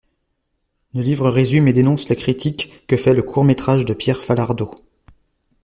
Le livre résume et dénonce la critique que fait le court-métrage de Pierre Falardeau.